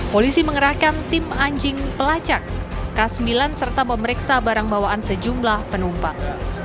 polisi mengerahkan tim anjing pelacak k sembilan serta memeriksa barang bawaan sejumlah penumpang